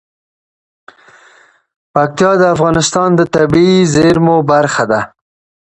پکتیکا د افغانستان د طبیعي زیرمو برخه ده.